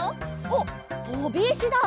おっ！とびいしだ！